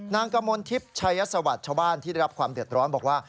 กมลทิพย์ชัยสวัสดิ์ชาวบ้านที่ได้รับความเดือดร้อนบอกว่า